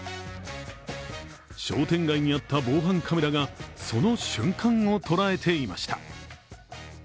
商店街にあった防犯カメラが、その瞬間を捉えていました。